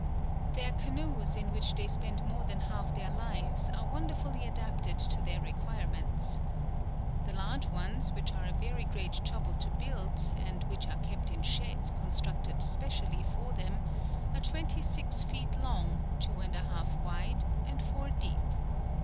Their canoes, in which they spend more than half their lives, are wonderfully adapted to their requirements. The large ones, which are a very great trouble to build, and which are kept in sheds constructed specially for them, are twenty six feet long, two and a half wide, and four deep.